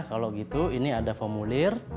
kalau gitu ini ada formulir